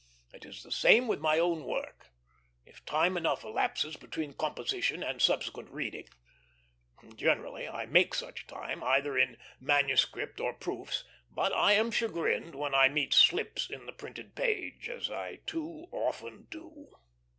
It is the same with my own work, if time enough elapses between composition and subsequent reading. Generally I make such time, either in manuscript or proofs; but I am chagrined when I meet slips in the printed page, as I too often do.